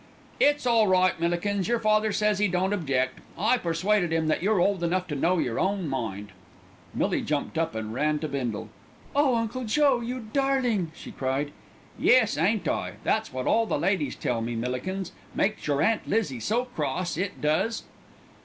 "It's all right, Millikins, your father says 'e don't object. I persuaded 'im that you're old enough to know your own mind." Millie jumped up and ran to Bindle. "Oh, Uncle Joe, you darling!" she cried. "Yes, ain't I? that's wot all the ladies tell me, Millikins. Makes your Aunt Lizzie so cross, it does."